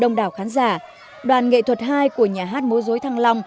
trong đảo khán giả đoàn nghệ thuật hai của nhà hát mô rối thăng long